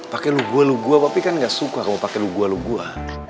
pakai lugua lugua tapi kan gak suka kalau pakai lugua lugua